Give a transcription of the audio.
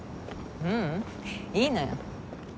ううんいいのよ。